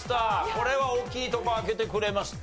これは大きいとこ開けてくれました。